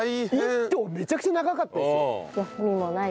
１棟めちゃくちゃ長かったですよ。